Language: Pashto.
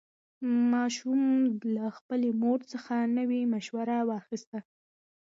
ماشوم له خپلې مور څخه نوې مشوره واخیسته